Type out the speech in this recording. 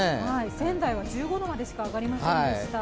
仙台は１５度までしか上がりませんでした。